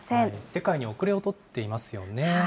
世界に後れを取っていますよね。